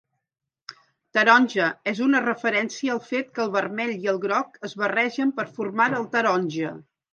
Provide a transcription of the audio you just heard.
"Taronja" és una referència al fet que el vermell i el groc es barregen per formar el taronja.